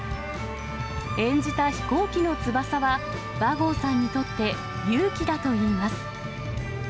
演じた飛行機の翼は、和合さんにとって勇気だといいます。